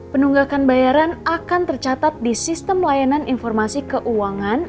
penunggakan bayaran akan tercatat di sistem layanan informasi keuangan